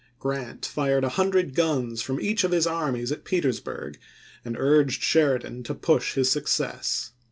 Grant fired a hundred guns from each of his armies at Petersburg and urged Sheridan to " push his success."